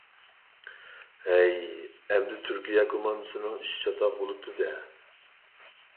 ھەي، ئەمدى تۈركىيە كوماندىسىنىڭ ئىشى چاتاق بولۇپتۇ-دە!